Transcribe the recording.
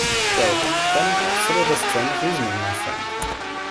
Well, then, follow this train of reasoning, my friend!